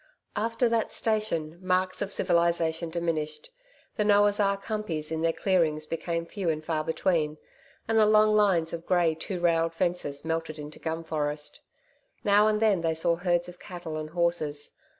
After that station, marks of civilisation diminished. The Noah's Ark humpeys in their clearings became few and far between, and the long lines of grey two railed fences melted into gum forest. Now and then, they saw herds of cattle and horses.